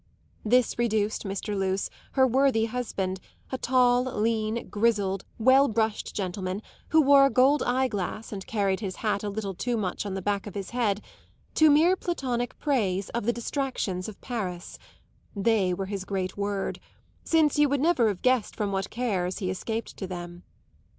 This reduced Mr. Luce, her worthy husband, a tall, lean, grizzled, well brushed gentleman who wore a gold eye glass and carried his hat a little too much on the back of his head, to mere platonic praise of the "distractions" of Paris they were his great word since you would never have guessed from what cares he escaped to them.